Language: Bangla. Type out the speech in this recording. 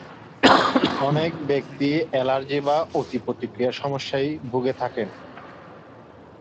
অনেক ব্যক্তিই অ্যালার্জি বা অতিপ্রতিক্রিয়া সমস্যায় ভুগে থাকেন।